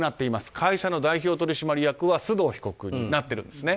会社の代表取締役は須藤被告になっているんですね。